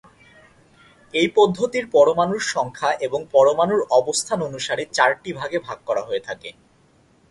এই পদ্ধতির পরমাণুর সংখ্যা এবং পরমাণুর অবস্থান অনুসারে চারটি ভাগে ভাগ করা হয়ে থাকে।